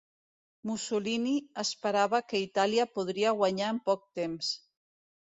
Mussolini esperava que Itàlia podria guanyar en poc temps.